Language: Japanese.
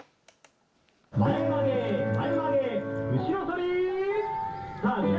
前曲げ、前曲げ、後ろ反り。